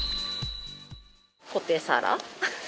ポテサラ。